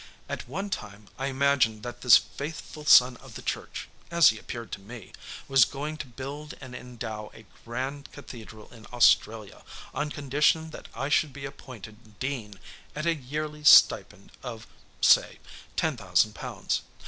At one time I imagined that this faithful son of the church as he appeared to me was going to build and endow a grand cathedral in Australia on condition that I should be appointed dean at a yearly stipend of, say, ten thousand pounds.